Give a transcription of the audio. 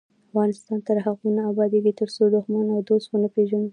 افغانستان تر هغو نه ابادیږي، ترڅو دښمن او دوست ونه پیژنو.